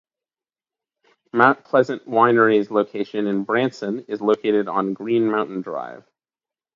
Mount Pleasant Winery's location in Branson is located on on Green Mountain Drive.